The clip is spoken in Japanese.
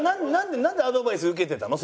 なんでアドバイス受けてたの？